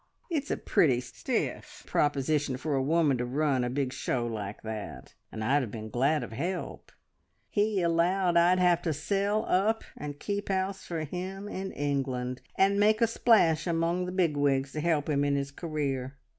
It's a pretty stiff proposition for a woman to run a big show like that, and I'd have been glad of help. He allowed I'd have to sell up and keep house for him in England, and make a splash among the big wigs to help him in his career.